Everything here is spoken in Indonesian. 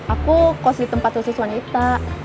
aku cost di tempat khusus wanita